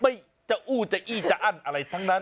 ไม่จะอู้จะอี้จะอั้นอะไรทั้งนั้น